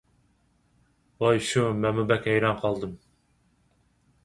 ۋاي شۇ، مەنمۇ بەك ھەيران قالدىم.